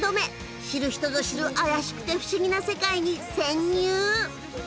知る人ぞ知る怪しくて不思議な世界に潜入！